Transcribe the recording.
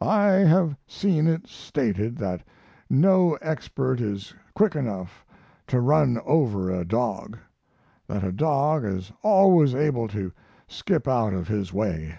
I have seen it stated that no expert is quick enough to run over a dog; that a dog is always able to skip out of his way.